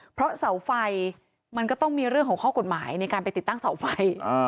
เพราะเสาไฟมันก็ต้องมีเรื่องของข้อกฎหมายในการไปติดตั้งเสาไฟ